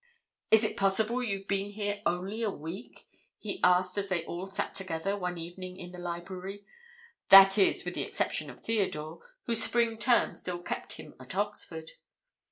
"Is it possible you've been here only a week?" he asked as they all sat together one evening in the library that is, with the exception of Theodore, whose spring term still kept him at Oxford.